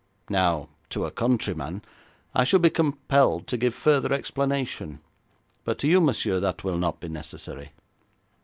Now, to a countryman, I should be compelled to give further explanation, but to you, monsieur, that will not be necessary.'